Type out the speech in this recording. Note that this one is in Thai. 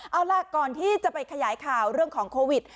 เอาล่ะก่อนที่จะไปขยายข่าวเรื่องของโควิด